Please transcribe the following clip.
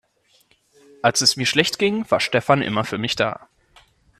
Als es mir schlecht ging, war Stefan immer für mich da.